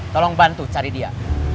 tolong bantu cari dia